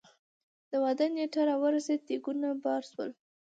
د واده نېټه را ورسېده ديګونه بار شول.